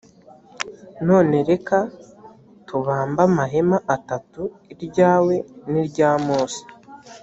none reka tubambe amahema atatu iryawe nirya mose